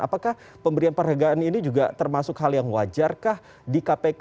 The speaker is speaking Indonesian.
apakah pemberian penghargaan ini juga termasuk hal yang wajarkah di kpk